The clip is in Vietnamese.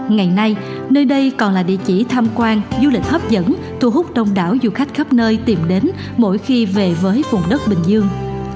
ngày nay nơi đây còn là địa chỉ tham quan du lịch hấp dẫn thu hút đông đảo du khách khắp nơi tìm đến mỗi khi về với vùng đất bình dương